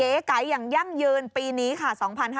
ไก๋อย่างยั่งยืนปีนี้ค่ะ